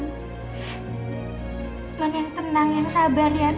mbak yang tenang yang sabar ya nont